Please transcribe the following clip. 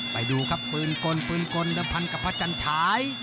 ไปดูครับปืนกลปืนกลเดิมพันกับพระจันฉาย